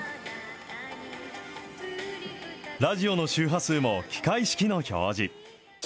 ラジオの周波数も機械式の表示。